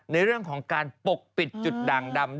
ในเรื่องของการปกปิดจุดด่างดำ